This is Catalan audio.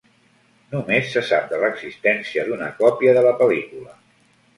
Només se sap de l'existència d'una còpia de la pel·lícula.